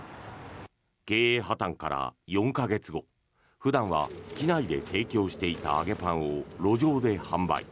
経営破たんから４か月後普段は機内で提供していた揚げパンを路上で販売。